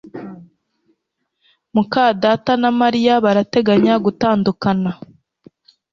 muka data na Mariya barateganya gutandukana